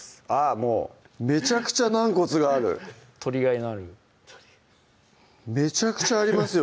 もうめちゃくちゃ軟骨がある取りがいのあるめちゃくちゃありますよ